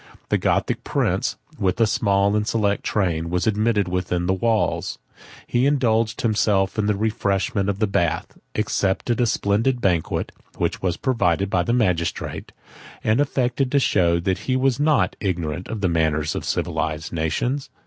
The Gothic prince, with a small and select train, was admitted within the walls; he indulged himself in the refreshment of the bath, accepted a splendid banquet, which was provided by the magistrate, and affected to show that he was not ignorant of the manners of civilized nations.